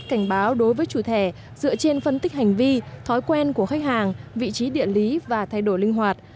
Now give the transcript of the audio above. cảnh báo đối với chủ thẻ dựa trên phân tích hành vi thói quen của khách hàng vị trí địa lý và thay đổi linh hoạt